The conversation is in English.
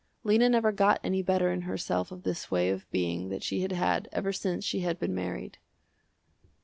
Lena never got any better in herself of this way of being that she had had ever since she had been married.